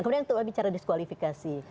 kemudian kita bicara diskualifikasi